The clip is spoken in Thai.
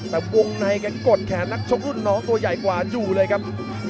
แต่วงในกันกดแขนนักชกรุ่นน้องตัวใหญ่กว่าอยู่เลยครับ